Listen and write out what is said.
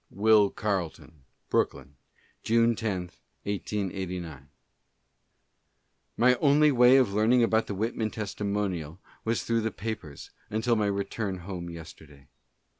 Will Carleton : Brooklyn, June 10, 1889. ... My only way of learning of the Whitman Testimonial was through the papers, until my return home yesterday.